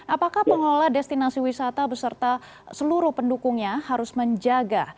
apakah pengelola destinasi wisata beserta seluruh pendukungnya harus menjaga